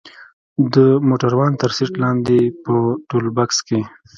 د موټروان تر سيټ لاندې په ټولبکس کښې.